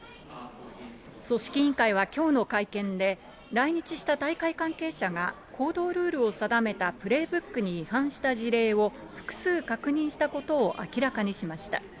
組織委員会はきょうの会見で、来日した大会関係者が行動ルールを定めたプレイブックに違反した事例を複数確認したことを明らかにしました。